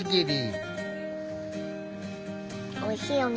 おいしいよね